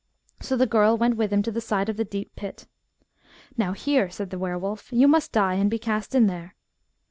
" So the girl went with him to the side of the deep pit. * Now hear,' said the were wolf, *you must die and be cast in there.'